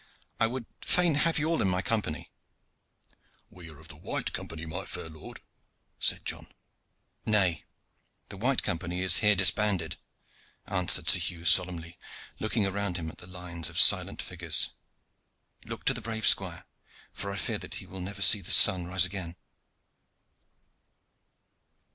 I would fain have ye all in my company." "We are of the White Company, my fair lord," said John. "Nay, the White Company is here disbanded," answered Sir Hugh solemnly, looking round him at the lines of silent figures. "Look to the brave squire, for I fear that he will never see the sun rise again."